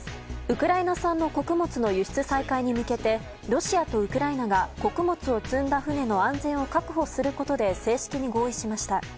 ウクライナ産の穀物の輸出再開に向けてロシアとウクライナが穀物を積んだ船の安全を確保することで正式に合意しました。